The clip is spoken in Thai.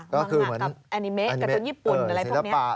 ก็คือเหมือนการ์ตูนญี่ปุ่นอะไรพวกนี้